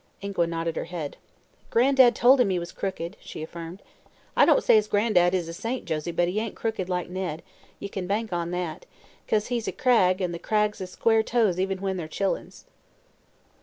Ingua nodded her head. "Gran'dad told him he was crooked," she affirmed. "I don't say as Gran'dad is a saint, Josie, but he ain't crooked, like Ned ye kin bank on that 'cause he's a Cragg, an' the Craggs is square toes even when they're chill'ins."